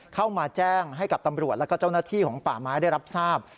เข้ามาแจ้งให้กับตำรวจแล้วก็เจ้าหน้าที่ของป่าไม้ได้รับทราบ